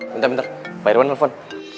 bentar bentar pak irwan telepon